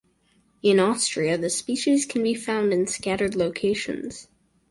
In Austria, the species can be found in scattered locations.